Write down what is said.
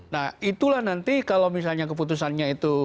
nah itulah nanti kalau misalnya keputusannya itu